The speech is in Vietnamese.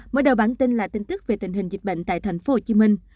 mở đầu bản tin là tin tức về tình hình dịch bệnh tại thành phố hồ chí minh